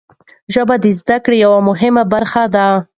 ژبه د زده کړې یوه مهمه برخه ده.